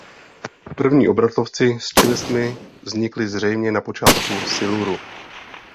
První obratlovci s čelistmi vznikli zřejmě na počátku siluru.